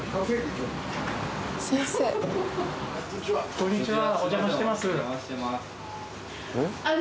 こんにちは。